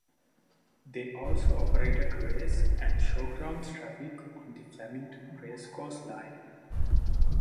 They also operated race and showgrounds traffic on the Flemington Racecourse line.